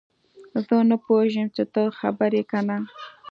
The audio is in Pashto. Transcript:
زه نه پوهیږم چې ته خبر یې که نه